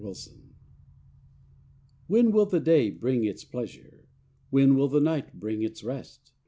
T^7HEN will the day bring its pleasure? When will the night bring its rest